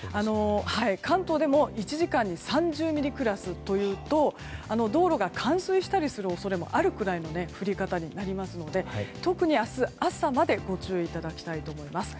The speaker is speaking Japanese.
関東でも１時間に３０ミリクラスというと道路が冠水したりする恐れもあるくらいの降り方になりますので特に明日朝までご注意いただきたいと思います。